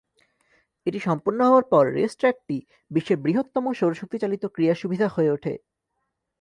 এটি সম্পন্ন হওয়ার পর রেসট্র্যাকটি বিশ্বের বৃহত্তম সৌরশক্তি চালিত ক্রীড়া সুবিধা হয়ে ওঠে।